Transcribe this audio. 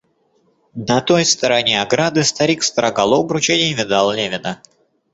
На той стороне ограды старик строгал обруч и не видал Левина.